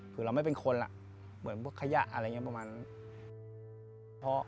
คือเราไม่เป็นคนเหมือนพวกขยะอะไรอย่างนี้ประมาณ